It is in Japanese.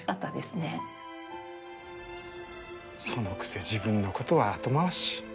そのくせ自分のことは後回し。